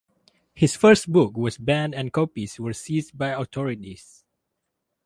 His first book was banned and copies were seized by authorities.